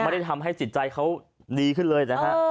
ไม่ได้ทำให้จิตใจเขาดีขึ้นเลยนะฮะ